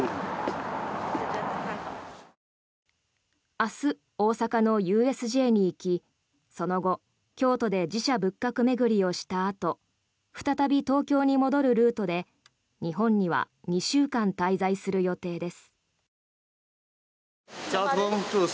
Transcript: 明日、大阪のＵＳＪに行きその後、京都で寺社・仏閣巡りをしたあと再び東京に戻るルートで日本には２週間滞在する予定です。